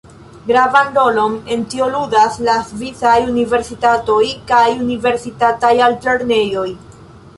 Gravan rolon en tio ludas la svisaj Universitatoj kaj universitataj altlernejoj.